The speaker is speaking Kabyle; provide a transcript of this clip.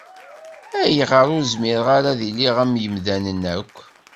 Ayɣer ur zmireɣ ara ad iliɣ am yimdanen akk?